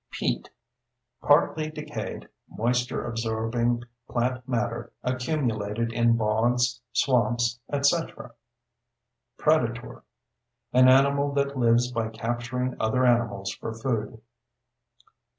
PEAT: Partly decayed, moisture absorbing plant matter accumulated in bogs, swamps, etc. PREDATOR: An animal that lives by capturing other animals for food.